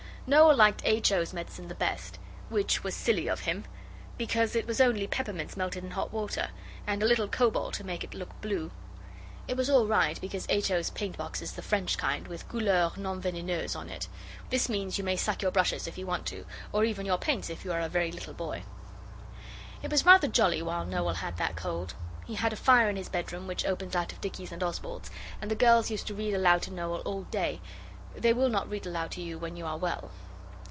Noel liked H. O.'s medicine the best, which was silly of him, because it was only peppermints melted in hot water, and a little cobalt to make it look blue. It was all right, because H. O.'s paint box is the French kind, with Couleurs non Veneneuses on it. This means you may suck your brushes if you want to, or even your paints if you are a very little boy. It was rather jolly while Noel had that cold. He had a fire in his bedroom which opens out of Dicky's and Oswald's, and the girls used to read aloud to Noel all day; they will not read aloud to you when you are well.